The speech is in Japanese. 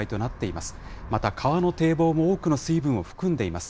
また川の堤防も多くの水分を含んでいます。